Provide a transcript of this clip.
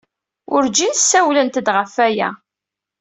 Wurǧin ssawlent-d ɣef waya.